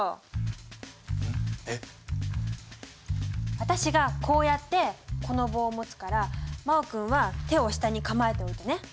私がこうやってこの棒を持つから真旺君は手を下に構えておいてね。